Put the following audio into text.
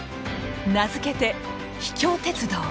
名付けて「秘境鉄道」。